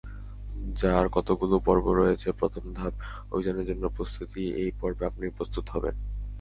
যার কতগুলো পর্ব রয়েছে—প্রথম ধাপ—অভিযানের জন্য প্রস্তুতিএই পর্বে আপনি প্রস্তুত হবেন।